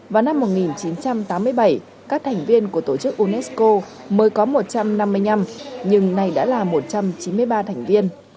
vào năm một nghìn chín trăm tám mươi bảy các thành viên của tổ chức unesco mới có một trăm năm mươi năm nhưng nay đã là một trăm chín mươi ba thành viên